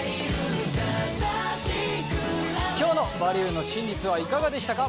今日の「バリューの真実」はいかがでしたか？